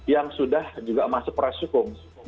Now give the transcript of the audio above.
yang sudah juga masuk resukung